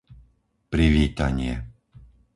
Privítanie